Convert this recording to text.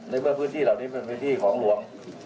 เมื่อพื้นที่เหล่านี้เป็นพื้นที่ของหลวง